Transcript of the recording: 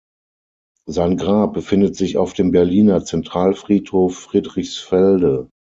Sein Grab befindet sich auf dem Berliner Zentralfriedhof Friedrichsfelde.